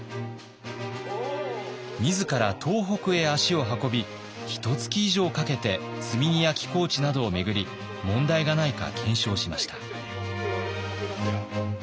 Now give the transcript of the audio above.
自ら東北へ足を運びひとつき以上かけて積み荷や寄港地などを巡り問題がないか検証しました。